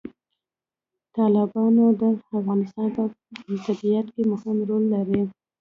تالابونه د افغانستان په طبیعت کې مهم رول لري.